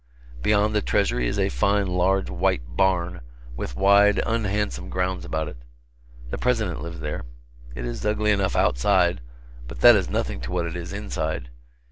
Beyond the Treasury is a fine large white barn, with wide unhandsome grounds about it. The President lives there. It is ugly enough outside, but that is nothing to what it is inside.